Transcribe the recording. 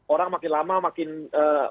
orang makin lama makin aware dengan ini